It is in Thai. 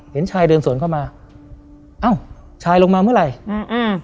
เห็นชายเดินสวนเข้ามาเอ้าชายลงมาเมื่อไหร่อ่าอ่า